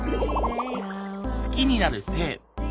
好きになる性。